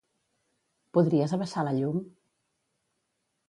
Podries abaixar la llum?